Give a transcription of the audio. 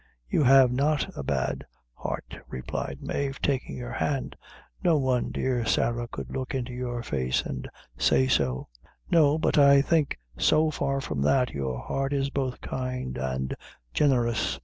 "You have not a bad heart," replied Mave, taking her hand; "no one, dear Sarah, could look into your face and say so; no, but I think so far from that, your heart is both kind and generous."